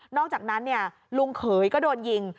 อกจากนั้นลุงเขยก็โดนยิง